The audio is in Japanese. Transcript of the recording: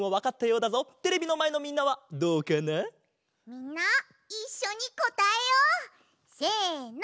みんないっしょにこたえよう！せの！